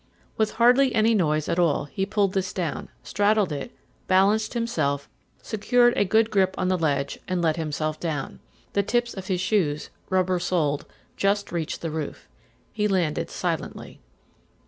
With hardly any noise at all he pulled this down, straddled it, balanced himself, secured a good grip on the ledge, and let himself down. The tips of his shoes, rubber soled, just reached the roof. He landed silently.